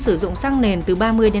sử dụng xăng nền từ ba mươi năm mươi